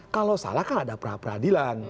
kalau salah kan ada pra peradilan